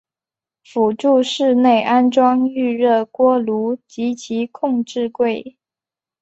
辅助室内安装预热锅炉及其控制柜。